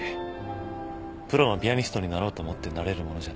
プロのピアニストになろうと思ってなれるものじゃない。